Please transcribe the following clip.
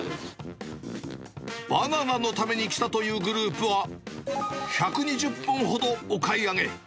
バナナのために来たというグループは、１２０本ほどお買い上げ。